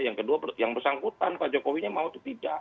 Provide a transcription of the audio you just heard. yang kedua yang bersangkutan pak jokowinya mau atau tidak